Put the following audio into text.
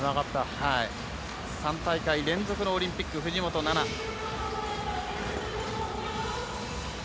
３大会連続のオリンピック藤本那菜。